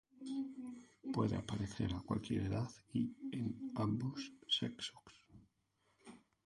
Puede aparecer a cualquier edad y en ambos sexos.